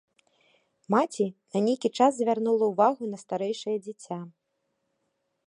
Маці на нейкі час звярнула ўвагу на старэйшае дзіця.